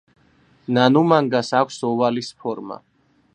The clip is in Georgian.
ნანუმანგას აქვს ოვალის ფორმა.